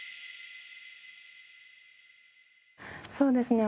そうですね。